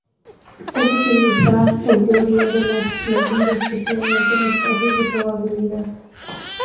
Es de utilidad en teoría de la medida, especialmente en espacios de probabilidad.